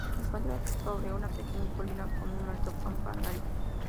Se encuentra sobre una pequeña colina con un alto campanario.